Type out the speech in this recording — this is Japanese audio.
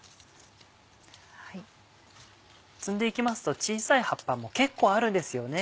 摘んでいきますと小さい葉っぱも結構あるんですよね。